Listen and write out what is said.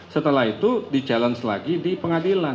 setelah itu di challenge lagi di pengadilan